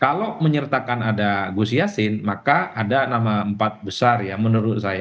kalau menyertakan ada gus yassin maka ada nama empat besar ya menurut saya